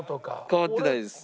変わってないです。